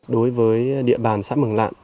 đối với địa bàn sát mường lạng